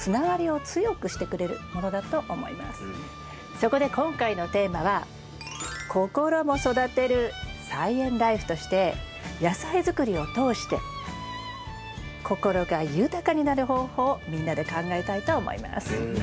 そこで今回のテーマは「ココロも育てる！菜園ライフ」として野菜づくりを通して心が豊かになる方法をみんなで考えたいと思います。